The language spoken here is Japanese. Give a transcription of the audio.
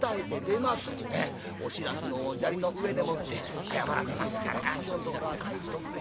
お白州の砂利の上でもって謝らせますから今日んところは帰っておくれ。